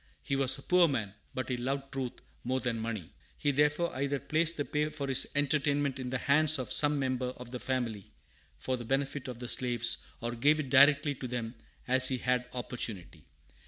He was a poor man, but he loved truth more than money. He therefore either placed the pay for his entertainment in the hands of some member of the family, for the benefit of the slaves, or gave it directly to them, as he had opportunity.